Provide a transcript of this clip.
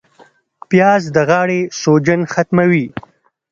پیاز د غاړې سوجن ختموي